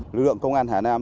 lực lượng công an hà nam